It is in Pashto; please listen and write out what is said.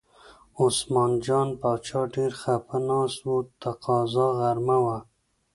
عثمان جان باچا ډېر خپه ناست و، قضا غرمه وه.